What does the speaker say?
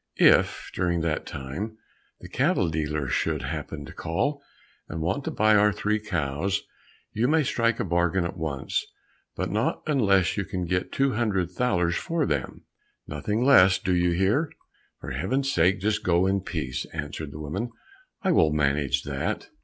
If during that time the cattle dealer should happen to call and want to buy our three cows, you may strike a bargain at once, but not unless you can get two hundred thalers for them; nothing less, do you hear?" "For heaven's sake just go in peace," answered the woman, "I will manage that."